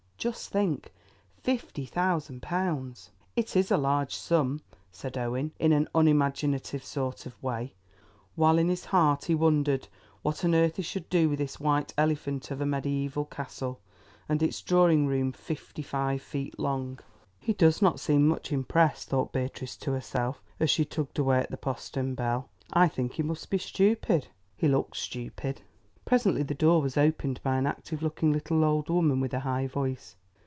Just think, fifty thousand pounds!" "It is a large sum," said Owen, in an unimaginative sort of way, while in his heart he wondered what on earth he should do with this white elephant of a mediæval castle, and its drawing room fifty five feet long. "He does not seem much impressed," thought Beatrice to herself, as she tugged away at the postern bell; "I think he must be stupid. He looks stupid." Presently the door was opened by an active looking little old woman with a high voice.